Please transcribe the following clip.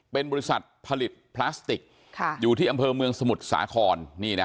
เป็นบริษัทผลิตพลาสติกอยู่ที่อำเภอเมืองสมุทรสาคร